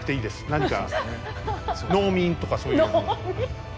何か農民とかそういう。